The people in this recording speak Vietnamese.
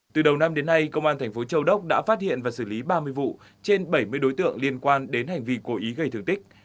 từ đầu năm đến nay công an thành phố châu đốc đã phát hiện và xử lý ba mươi vụ trên bảy mươi đối tượng liên quan đến hành vi cố ý gây thương tích